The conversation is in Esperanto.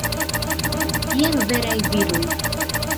Jen veraj viroj!